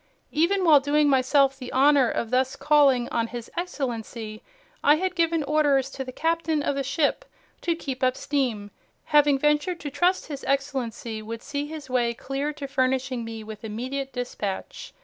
Even while doing myself the honor of thus calling on His Excellency, I had given orders to the captain of the ship to keep up steam, having ventured to trust His Excellency would see his way clear to furnishing me with immediate dispatch.